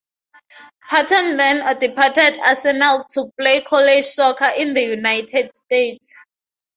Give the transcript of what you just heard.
Patten then departed Arsenal to play college soccer in the United States.